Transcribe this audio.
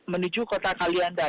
menuju kota kalianda